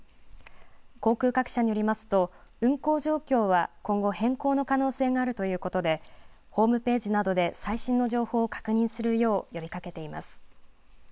航空各社によりますと、運航状況は今後、変更の可能性があるということで、ホームページなどで最新の情報を確認するよう呼びかけています。